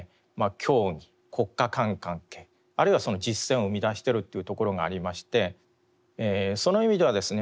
教義国家間関係あるいはその実践を生みだしているというところがありましてその意味ではですね